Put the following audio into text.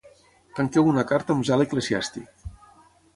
Tanqueu una carta amb zel eclesiàstic.